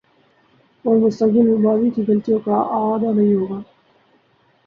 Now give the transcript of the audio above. اورمستقبل میں ماضی کی غلطیوں کا اعادہ نہیں ہو گا۔